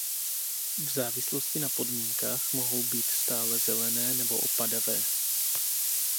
V závislosti na podmínkách mohou být stálezelené nebo opadavé.